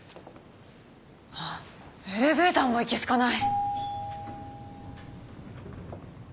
あっエレベーターもいけ好かない。